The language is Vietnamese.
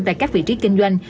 tại các vị trí kinh doanh